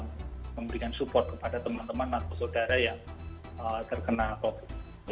memberikan support kepada teman teman atau saudara yang terkena covid